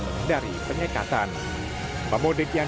mengendari penyekatan pemudik yang